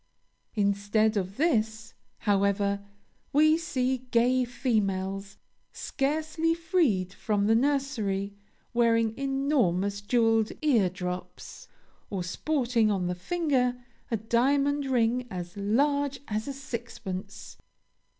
Instead of this, however, we see gay females, scarcely freed from the nursery, wearing enormous jeweled ear drops, or sporting on the finger, a diamond ring as large as a sixpence.